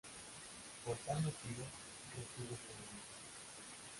Por tal motivo, recibe este nombre.